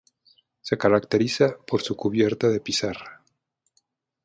Se caracteriza por su cubierta de pizarra.